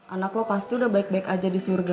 anak lo pasti udah baik baik aja di surga